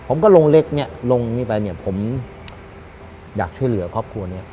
ผมก็ลงเล็กลงนี่ไปผมอยากช่วยเหลือครอบครัวนี้